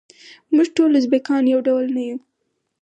موږ ټول ازبیکان یو ډول نه یوو.